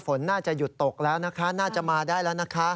ฝนน่าจะหยุดตกแล้วนะคะน่าจะมาได้แล้วนะคะ